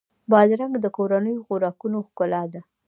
بادرنګ د کورنیو خوراکونو ښکلا ده.